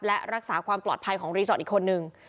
และรักษาความปลอดภัยของรีสอร์ทอีกคนนึง